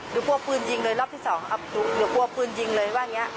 เดี๋ยวกลัวพื้นยิงเลยรอบที่สองครับเดี๋ยวกลัวพื้นยิงเลยว่าเนี้ย